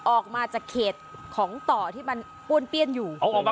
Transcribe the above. ออกมาจากเขตของต่อที่มันป้วนเปี้ยนอยู่